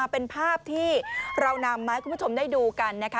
เป็นภาพที่เรานำมาให้คุณผู้ชมได้ดูกันนะคะ